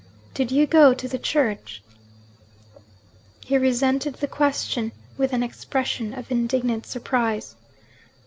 'Did you go to the church?' He resented the question with an expression of indignant surprise.